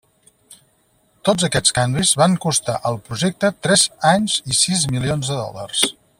Tots aquests canvis van costar al projecte tres anys i sis milions de dòlars.